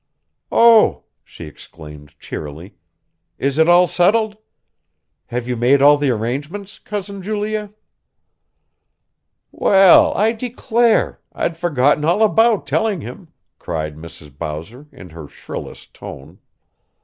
"Oh," she exclaimed cheerily, "is it all settled? Have you made all the arrangements, Cousin Julia?" "Well, I declare! I'd forgotten all about telling him," cried Mrs. Bowser in her shrillest tone.